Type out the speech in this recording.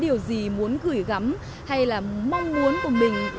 điều gì muốn gửi gắm hay là mong muốn của mình